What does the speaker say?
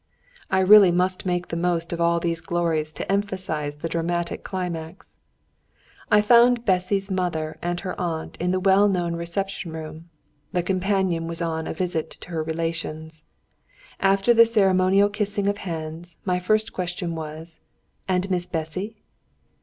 I really must make the most of all these glories to emphasize the dramatic climax. I found Bessy's mother and her aunt in the well known reception room; the companion was on a visit to her relations. After the ceremonial kissing of hands, my first question was, "And Miss Bessy?"